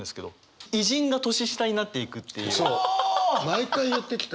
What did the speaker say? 毎回言ってきた。